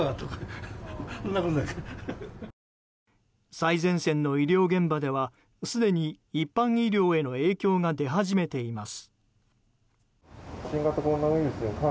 最前線の医療現場ではすでに一般医療への影響が出始めています。